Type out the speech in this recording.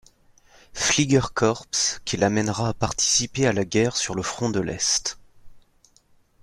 Fliegerkorps qui l’amènera à participer à la guerre sur le front de l'Est.